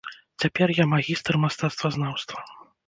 Цяпер я магістр мастацтвазнаўства.